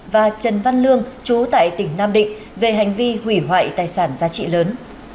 và trần văn lương chú tại tỉnh nam định về hành vi hủy hoại tài sản giá trị lớn